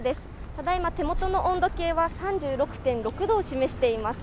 ただいま、手元の温度計は３６．６度を示しています。